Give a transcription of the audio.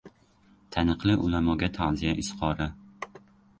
Taniqli ulamoga ta’ziya izhori